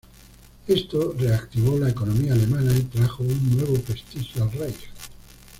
Esto reactivó la economía alemana y trajo un nuevo prestigio al reich.